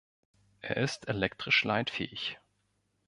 Er ist elektrisch leitfähig.